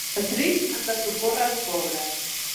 Els rics han de socórrer els pobres.